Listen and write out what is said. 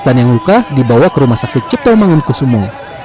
dan yang luka dibawa ke rumah sakit ciptomangun kusumo